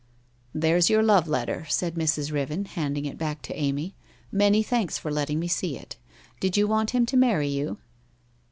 ' There's your love letter/ said Mrs. Riven, handing it back to Amy. ' Many thanks for letting me see it. Did you want him to marry you?'